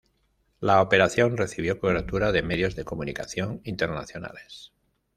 La operación recibió cobertura de medios de comunicación internacionales.